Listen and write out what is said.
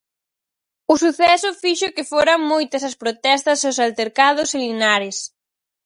O suceso fixo que foran moitas as protestas e os altercados en Linares.